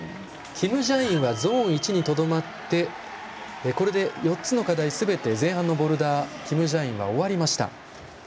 キム・ジャインはゾーン１に、とどまってこれで４つの課題すべて前半のボルダーキム・ジャインは終わりました。